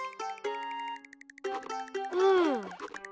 うん。